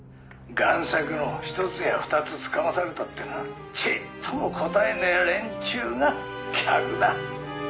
「贋作の一つや二つつかまされたってなちっともこたえねえ連中が客だ」